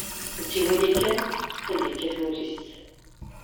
Ad tt-iwali kan, ad yekkat wul-is.